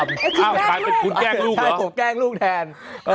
อ้าวเป็นคุณแกล้งลูกเหรอใช่ผมแกล้งลูกแทน